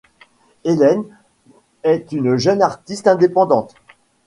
Helen est une jeune artiste indépendante.